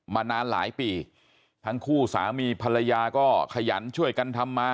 มานานหลายปีทั้งคู่สามีภรรยาก็ขยันช่วยกันทำมา